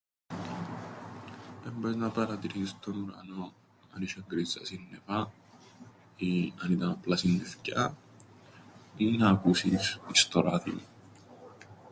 Ε, μπόρεις να παρατηρήσεις τον ουρανόν, αν είσ̆εν γκρίζα σύννεφα, ή αν ήταν απλά συννεφκιά, ή να ακούσεις εις στο ράδιον.